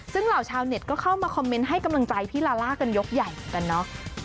ซึ่งเหล่าชาวเน็ตก็เข้ามาคอมเมนต์ให้กำลังใจพี่ลาล่ากันยกใหญ่เหมือนกันเนาะ